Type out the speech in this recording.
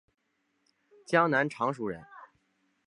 江南常熟人。